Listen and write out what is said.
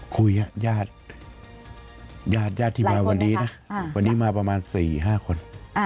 คุยกับญาติญาติที่มาวันนี้นะวันนี้มาประมาณ๔๕คน